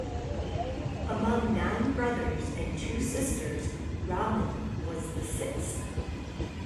Among nine brothers and two sisters, Rahman was the sixth.